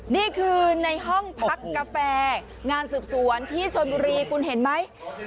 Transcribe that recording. นี่คือในห้องพักกาแฟงานสืบสวนที่ชนบุรีคุณเห็นไหม